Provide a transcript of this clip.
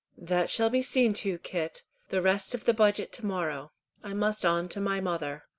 "That shall be seen to, Kit. The rest of the budget to morrow. I must on to my mother."